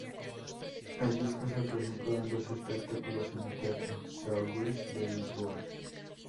El disco se presentó en dos espectáculos en el Teatro São Luiz de Lisboa.